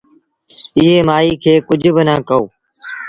ايٚئي مآئيٚ کي ڪجھ با نآ ڪهو